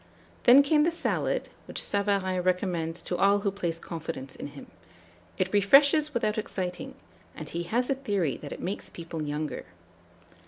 '" Then came the salad, which Savarin recommends to all who place confidence in him. It refreshes without exciting; and he has a theory that it makes people younger.